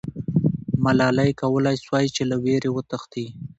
ملالۍ کولای سوای چې له ویرې وتښتي.